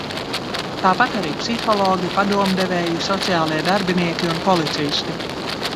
Tāpat arī psihologi, padomdevēji, sociālie darbinieki un policisti.